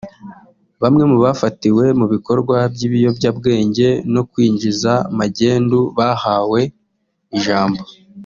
Bamwe mu bafatiwe mu bikorwa bw’ibiyobyabwenge no kwinjiza magendu bahawe ijambo